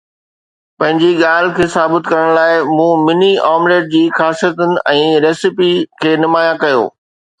پنهنجي ڳالهه کي ثابت ڪرڻ لاءِ مون مٺي آمليٽ جي خاصيتن ۽ ريسيپي کي نمايان ڪيو